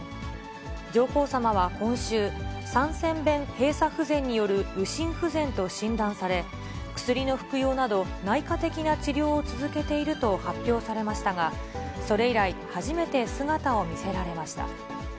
上皇さまは今週、三尖弁閉鎖不全による右心不全と診断され、薬の服用など、内科的な治療を続けていると発表されましたが、それ以来、初めて姿を見せられました。